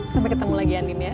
sampai ketemu lagi andin ya